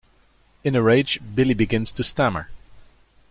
In a rage, Billy begins to stammer.